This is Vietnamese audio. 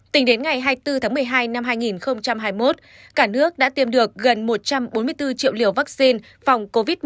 tính đến ngày hai mươi bốn tháng một mươi hai năm hai nghìn hai mươi một cả nước đã tiêm được gần một trăm bốn mươi bốn triệu liều vaccine phòng covid một mươi chín